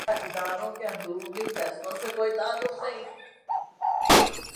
ہمارا اداروں کے اندرونی فیصلوں سے کوئ تعلق نہیں